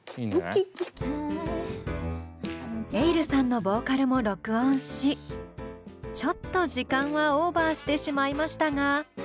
ｅｉｌｌさんのボーカルも録音しちょっと時間はオーバーしてしまいましたが。